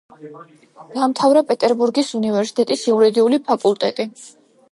დაამთავრა პეტერბურგის უნივერსიტეტის იურიდიული ფაკულტეტი.